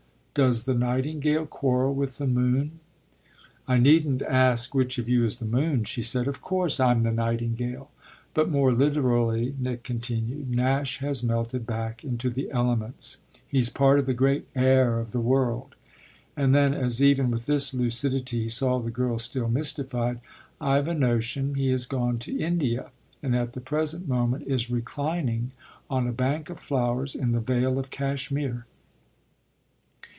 Docs the nightingale quarrel with the moon?" "I needn't ask which of you is the moon," she said. "Of course I'm the nightingale. But, more literally," Nick continued, "Nash has melted back into the elements he's part of the great air of the world." And then as even with this lucidity he saw the girl still mystified: "I've a notion he has gone to India and at the present moment is reclining on a bank of flowers in the vale of Cashmere."